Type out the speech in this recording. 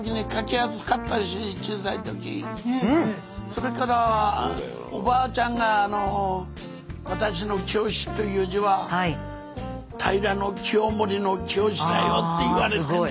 それからおばあちゃんがあの私の「清」という字は平清盛の清だよって言われてね。